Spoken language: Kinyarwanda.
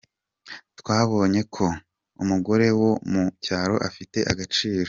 Twabonye ko umugore wo mu cyaro afite agaciro.